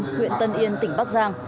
nguyện tân yên tỉnh bắc giang